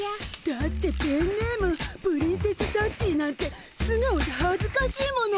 だってペンネームプリンセスサッチーなんてすがおじゃはずかしいもの。